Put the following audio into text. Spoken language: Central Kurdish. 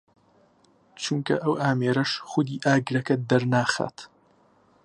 چونکە ئەو ئامێرەش خودی ئاگرەکە دەرناخات